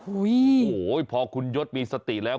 โอ้โหพอคุณยศมีสติแล้ว